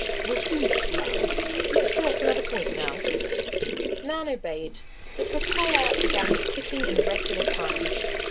We'll soon get to land. Let her off another point now." Nan obeyed. The propeller began kicking in regular time.